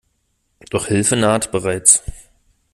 Doch Hilfe naht bereits.